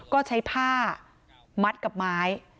ก็ใช้ผ้ามัดกับไม้